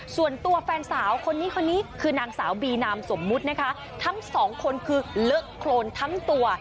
ส่วนตัวแฟนสาวคนนี้คนนี้คือนางสาวบีนามสมมุตินะคะทั้งสองคนคือเลอะโครนทั้งตัว